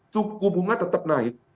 suku bunga tetap naik